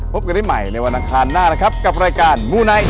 พบกันได้ใหม่ในวันอังคารหน้านะครับกับรายการมูไนท์